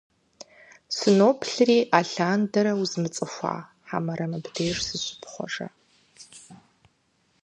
Сыноплъри, алъандэрэ узмыцӀыхуа, хьэмэрэ мыбдеж зыщыпхъуэжа?!